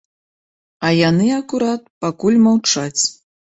А яны, акурат, пакуль маўчаць.